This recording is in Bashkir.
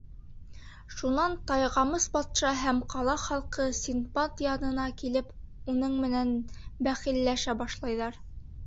Шунан Тайғамыс батша һәм ҡала халҡы, Синдбад янына килеп, уның менән бәхилләшә башлайҙар.